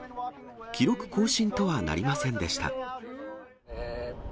記録更新とはなりませんでした。